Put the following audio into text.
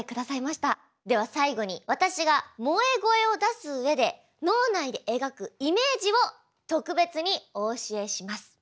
では最後に私が萌え声を出すうえで脳内で描くイメージを特別にお教えします。